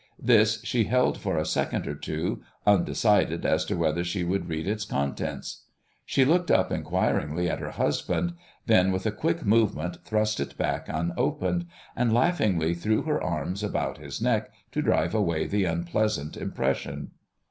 This she held for a second or two, undecided as to whether she would read its contents. She looked up inquiringly at her husband, then with a quick movement thrust it back unopened, and laughingly threw her arms about his neck to drive away the unpleasant impression.